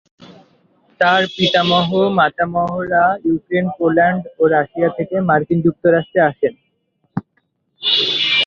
তার পিতামহ-মাতামহরা Ukraine, Poland ও রাশিয়া থেকে মার্কিন যুক্তরাষ্ট্রে আসেন।